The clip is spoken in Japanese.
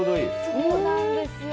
そうなんですよ。